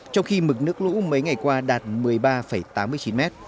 trong khi mực nước lũ mấy ngày qua đạt một mươi ba tám mươi chín m